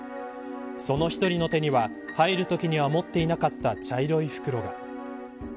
その１人の手には入るときには持っていなかった茶色い袋が。